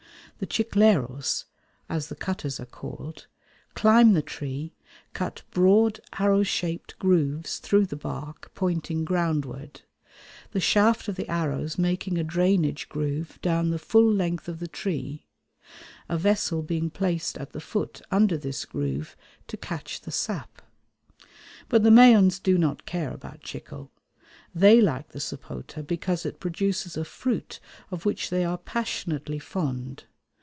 The chicleros, as the cutters are called, climb the tree, cut broad arrow shaped grooves through the bark pointing groundward, the shaft of the arrows making a drainage groove down the full length of the tree, a vessel being placed at the foot under this groove to catch the sap. But the Mayans do not care about chicle. They like the sapota because it produces a fruit of which they are passionately fond.